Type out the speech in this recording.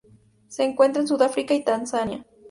Se encuentra en Sudáfrica y Tanzania.